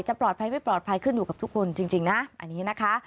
ปลอดภัยไม่ปลอดภัยขึ้นอยู่กับทุกคนจริงนะอันนี้นะคะ